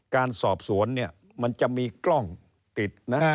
การสอบสวนเนี่ยมันจะมีกล้องติดนะ